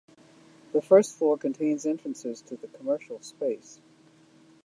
The first floor contains entrances into the commercial space.